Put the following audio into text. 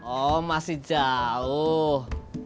oh masih jauh